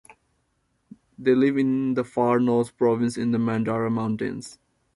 They live in the Far North Province in the Mandara Mountains.